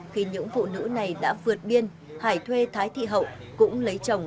khi những phụ nữ này đã vượt biên hải thuê thái thị hậu cũng lấy chồng